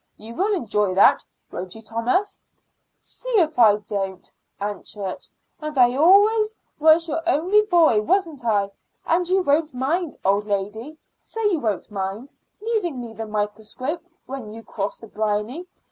You will enjoy that won't you, Thomas?" "See if I don't, Aunt Church. And I always was your own boy, wasn't I? And you won't mind, old lady say you won't mind leaving me the microscope when you cross the briny?